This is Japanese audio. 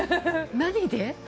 何で？